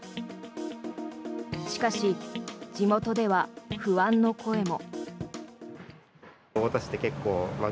しかし、地元では不安の声も。